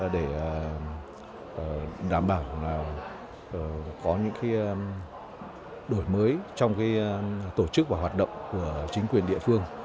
để đảm bảo có những đổi mới trong tổ chức và hoạt động của chính quyền địa phương